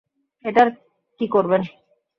এটার কী করবেন?